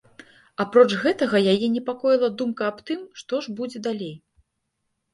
Апроч гэтага, яе непакоіла думка аб тым, што ж будзе далей.